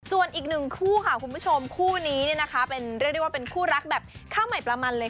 ส่วนอีกหนึ่งคู่ค่ะคุณผู้ชมคู่นี้เนี่ยนะคะเป็นเรียกได้ว่าเป็นคู่รักแบบข้าวใหม่ปลามันเลย